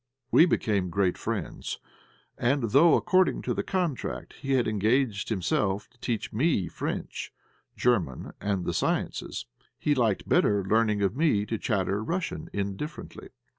We became great friends, and though, according to the contract, he had engaged himself to teach me French, German, and all the sciences, he liked better learning of me to chatter Russian indifferently.